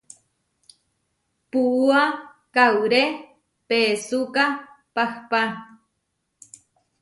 Puúa kauré peesúka pahpá.